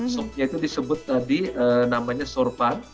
sopnya itu disebut tadi namanya sorvan